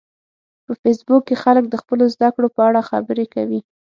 په فېسبوک کې خلک د خپلو زده کړو په اړه خبرې کوي